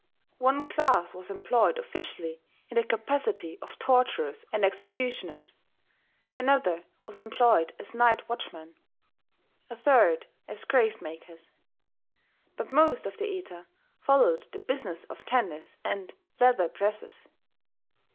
One class was employed officially in the capacity of torturers and executioners; another was employed as night watchmen; a third as grave makers. But most of the Eta followed the business of tanners and leather dressers.